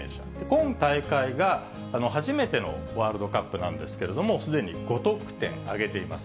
今大会が初めてのワールドカップなんですけれども、すでに５得点挙げています。